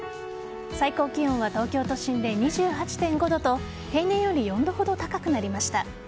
最高気温は東京都心で２８．５度と平年より４度ほど高くなりました。